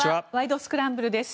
スクランブル」です。